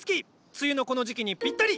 梅雨のこの時期にぴったり！